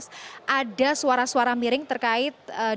dan juga ada suara suara miring terkait dari komisi dua